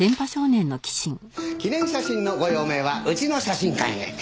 記念写真のご用命はうちの写真館へ。